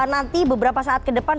nanti beberapa saat ke depan